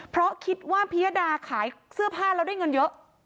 เพราะคิดว่าพิยดาขายเสื้อผ้าแล้วได้เงินเยอะ